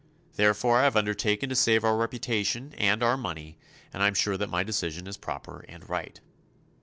Therefore I have undertaken to save our reputation and our money, and I am sure that my decision is proper and right."